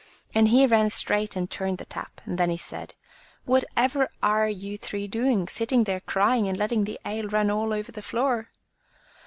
And he ran straight and turned the tap. Then he said: "Whatever are you three doing, sitting there crying, and letting the ale run all over the floor?"